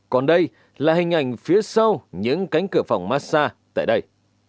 còn đây là hình ảnh phía sau những cánh cửa phòng massage tại đây